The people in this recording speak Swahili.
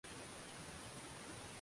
Binamu ameacha kelele.